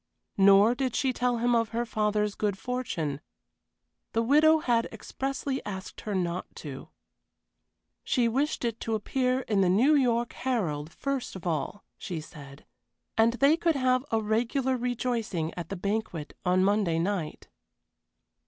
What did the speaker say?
Nor did she tell him of her father's good fortune. The widow had expressly asked her not to. She wished it to appear in the New York Herald first of all, she said. And they could have a regular rejoicing at the banquet on Monday night.